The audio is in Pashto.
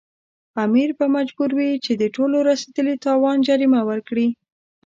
امیر به مجبور وي چې د ټولو رسېدلي تاوان جریمه ورکړي.